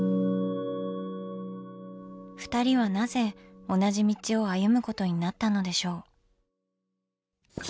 ふたりはなぜ同じ道を歩むことになったのでしょう？